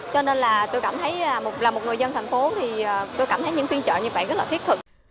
cho nên là tôi cảm thấy một là một người dân thành phố thì tôi cảm thấy những phiên trợ như vậy rất là thiết thực